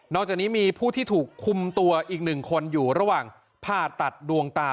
จากนี้มีผู้ที่ถูกคุมตัวอีกหนึ่งคนอยู่ระหว่างผ่าตัดดวงตา